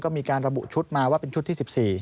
ก็มีการระบุชุดมาว่าเป็นชุดที่๑๔